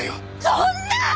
そんな！